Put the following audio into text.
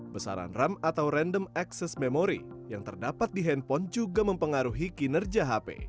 besaran ram atau random access memory yang terdapat di handphone juga mempengaruhi kinerja hp